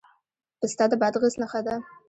پسته د بادغیس نښه ده.